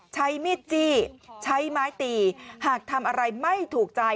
ใช้มีดจี้ใช้ไม้ตีหากทำอะไรไม่ถูกใจ